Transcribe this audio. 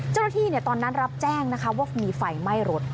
เจ้าหน้าที่ตอนนั้นรับแจ้งนะคะว่ามีไฟไหม้รถ